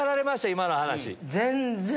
今の話。